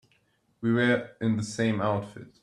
We were in the same outfit.